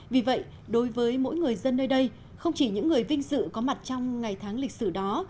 vì vậy đối với mỗi người dân nơi đây không chỉ những người vinh dự có mặt trong ngày tháng lịch sử đó